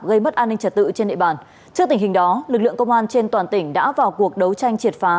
gây mất an ninh trật tự trên địa bàn trước tình hình đó lực lượng công an trên toàn tỉnh đã vào cuộc đấu tranh triệt phá